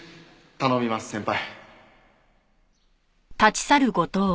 頼みます先輩。